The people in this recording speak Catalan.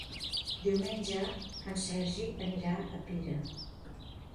Diumenge en Sergi anirà a Pira.